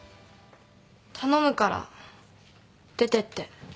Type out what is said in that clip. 頼むから出てって。